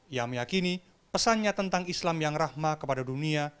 ia meyakini pesannya tentang islam yang rahma kepada dunia